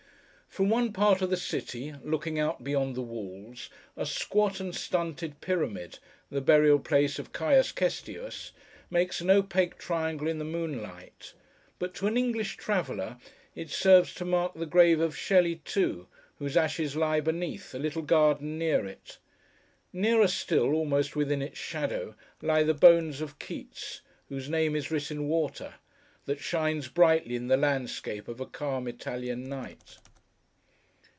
From one part of the city, looking out beyond the walls, a squat and stunted pyramid (the burial place of Caius Cestius) makes an opaque triangle in the moonlight. But, to an English traveller, it serves to mark the grave of Shelley too, whose ashes lie beneath a little garden near it. Nearer still, almost within its shadow, lie the bones of Keats, 'whose name is writ in water,' that shines brightly in the landscape of a calm Italian night.